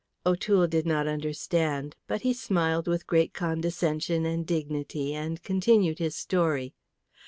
O'Toole did not understand. But he smiled with great condescension and dignity, and continued his story.